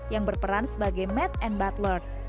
yang berperan sebagai made and butler